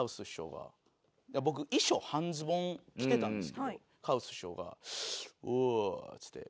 僕衣装半ズボン着てたんですけどカウス師匠が「おう」っつって。